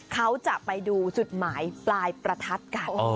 เขาจะไปดูจุดหมายปลายประทัดกัน